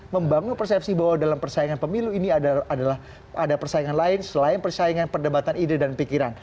membangun persepsi bahwa dalam persaingan pemilu ini adalah ada persaingan lain selain persaingan perdebatan ide dan pikiran